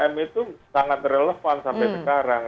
tiga m itu sangat relevan sampai sekarang